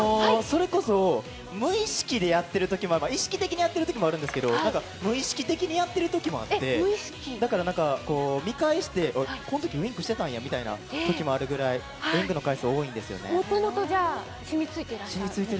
無意識でやってる時も意識的にやってる時もあるんですけど、無意識的にやってる時があって、だから見返して、このときウインクしてたんやみたいな時もあるくらいで、ウインクの回数が多いんですね。